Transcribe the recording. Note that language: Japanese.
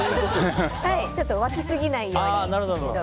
ちょっと沸きすぎないように。